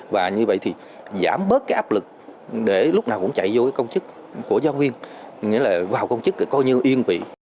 và như vậy thì giảm bớt cái áp lực để lúc nào cũng chạy vô công chức của giáo viên nghĩa là vào công chức coi như yên vị